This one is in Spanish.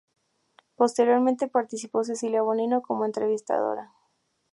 Posteriormente participó Cecilia Bonino como entrevistadora.